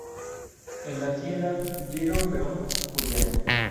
En la hacienda, llega un peón, Julián.